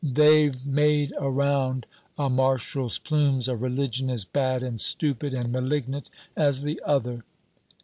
They've made around a Marshal's plumes a religion as bad and stupid and malignant as the other!"